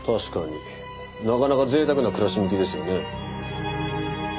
なかなか贅沢な暮らし向きですよね。